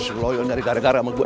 seloyot nyari gara gara sama gua